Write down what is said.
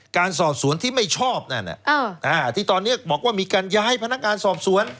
การสอบสวนที่ไม่ชอบนั่นที่ตอนนี้บอกว่ามีการย้ายพนักงานสอบสวน